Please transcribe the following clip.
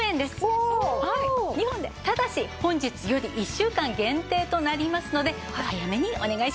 ただし本日より１週間限定となりますのでお早めにお願いします。